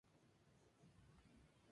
Fue enviado al territorio de Stalingrado.